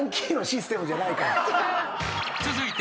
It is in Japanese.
［続いて。